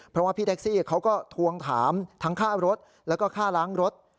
เพราะว่าพี่แท็กซี่เขาก็ทวงถามทั้งค่ารถแล้วก็ค่าล้างรถ